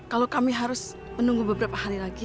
kalau kami harus menunggu beberapa hari lagi